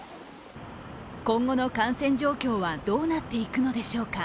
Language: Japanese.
今後の感染状況はどうなっていくのでしょうか。